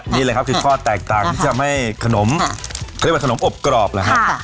นี่แหละครับคือข้อแตกต่างที่ทำให้ขนมเขาเรียกว่าขนมอบกรอบเหรอครับ